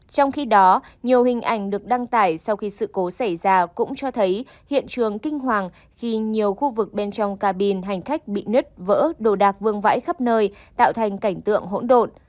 trong khi đó nhiều hình ảnh được đăng tải sau khi sự cố xảy ra cũng cho thấy hiện trường kinh hoàng khi nhiều khu vực bên trong cabin hành khách bị nứt vỡ đồ đạc vương vãi khắp nơi tạo thành cảnh tượng hỗn độn